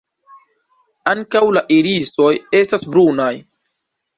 Ankaŭ la irisoj estas brunaj.